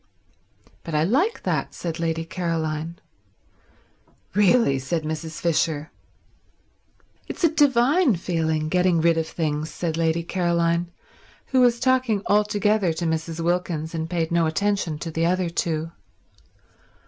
"But I like that," said Lady Caroline. "Really—" said Mrs. Fisher. "It's a divine feeling, getting rid of things," said Lady Caroline, who was talking altogether to Mrs. Wilkins and paid no attention to the other two.